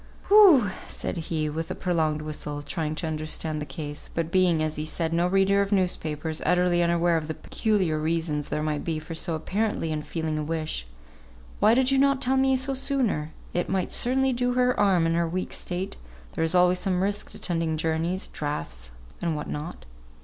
"Whew " said he, with a prolonged whistle, trying to understand the case, but being, as he said, no reader of newspapers, utterly unaware of the peculiar reasons there might be for so apparently unfeeling a wish, "Why did you not tell me so sooner? It might certainly do her harm in her weak state; there is always some risk attending journeys draughts, and what not.